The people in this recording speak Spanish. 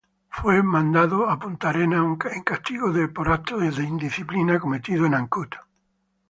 Fue mandado a Punta Arenas en castigo de actos de indisciplina cometidos en Ancud.